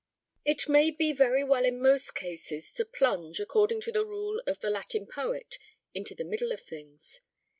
It may be very well in most cases to plunge, according to the rule of the Latin poet, into the middle of things.